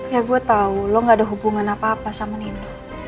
ya gue tau lo gak ada hubungan apa apa sama nini